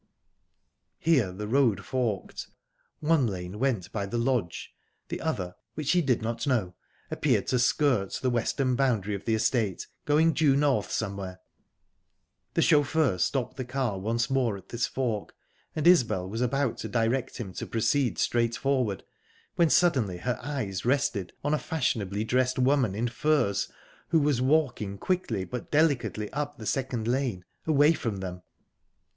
Here the road forked. One lane went by the lodge; the other, which she did not know, appeared to skirt the western boundary of the estate, going due north somewhere. The chauffeur stopped the car once more at this fork, and Isbel was about to direct him to proceed straight forward when suddenly her eyes rested on a fashionably dressed woman in furs, who was walking quickly but delicately up the second lane, away from them.